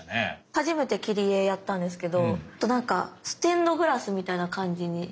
初めて切り絵やったんですけどなんかステンドグラスみたいな感じに。